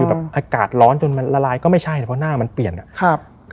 อากาศร้อนจนมันละลายก็ไม่ใช่เพราะหน้ามันเปลี่ยนอะ